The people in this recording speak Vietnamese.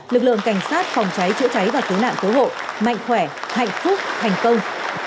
lực lượng cảnh sát phòng cháy chữa cháy và cứu nạn cứu hộ mạnh khỏe hạnh phúc thành công